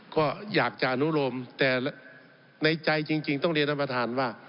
ก็อยากจะอนุโรมแต่ในใจจริงต้องเรียนท่านประธานว่า